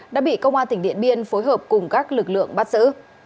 đã bị công an tỉnh điện biên phối hợp cùng các lực lượng bắt giữ